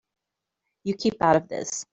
You keep out of this.